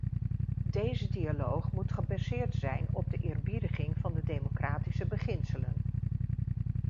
Deze dialoog moet gebaseerd zijn op de eerbiediging van de democratische beginselen.